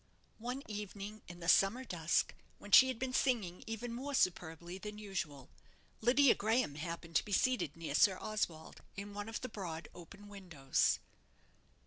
One evening, in the summer dusk, when she had been singing even more superbly than usual, Lydia Graham happened to be seated near Sir Oswald, in one of the broad open windows.